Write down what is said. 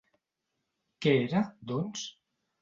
Què era, doncs?